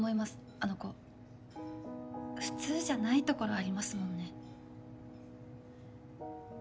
あの子普通じゃないところありますもんね。